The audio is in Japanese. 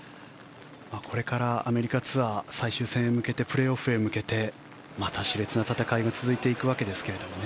これからアメリカツアー最終戦へ向けてプレーオフへ向けてまた熾烈な戦いが続いていくわけですが。